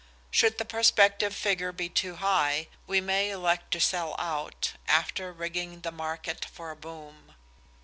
Should the prospective figure be too high, we may elect to sell out, after rigging the market for a boom.